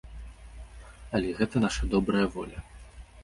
Але гэта наша добрая воля.